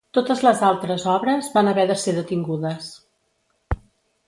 Totes les altres obres van haver de ser detingudes.